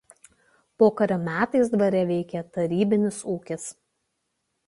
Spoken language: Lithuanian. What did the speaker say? Pokario metais dvare veikė tarybinis ūkis.